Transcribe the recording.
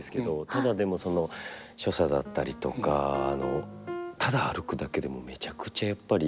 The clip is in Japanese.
ただでもその所作だったりとかただ歩くだけでもめちゃくちゃやっぱり。